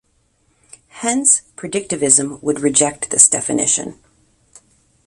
Hence predicativism would reject this definition.